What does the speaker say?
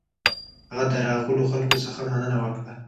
هغه د راغلو خلکو څخه مننه وکړه.